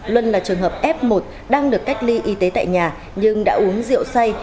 luân là trường hợp f một đang được cách ly y tế tại nhà nhưng đã uống rượu say